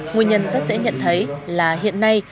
nguyên nhân rất dễ nhận thấy là hiện nay